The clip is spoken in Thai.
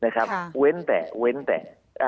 ข้อมูลเว้นแต่